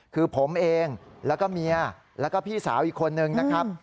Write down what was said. คือผมเองแล้วก็เมียแล้วก็พี่สาวอีกคนนึงนะครับ